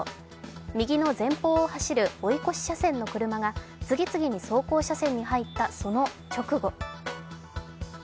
右の前方を走る追い越し車線の車が次々に走行車線に入ったその直後。